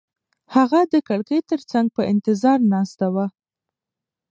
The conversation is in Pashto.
هغه د کړکۍ تر څنګ په انتظار ناسته وه.